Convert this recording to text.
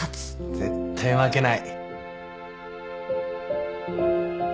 絶対負けない